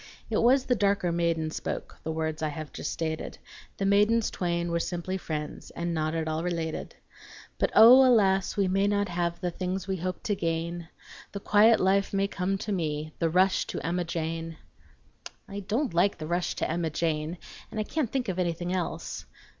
(It was the darker maiden spoke The words I just have stated, The maidens twain were simply friends And not at all related.) But O! alas I we may not have The things we hope to gain; The quiet life may come to me, The rush to Emma Jane! "I don't like 'the rush to Emma Jane,' and I can't think of anything else.